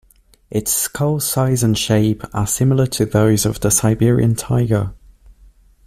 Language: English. Its skull size and shape are similar to those of the Siberian tiger.